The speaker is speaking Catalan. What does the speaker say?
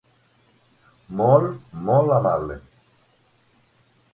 Molt, molt amable.